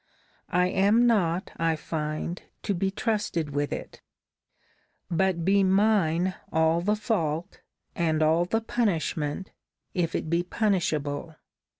I am not, I find, to be trusted with it. But be mine all the fault, and all the punishment, if it be punishable!